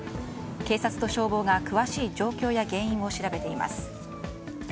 警察と消防が詳しい状況や原因を調べています。